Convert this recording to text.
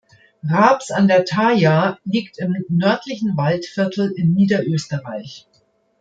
Raabs an der Thaya liegt im nördlichen Waldviertel in Niederösterreich.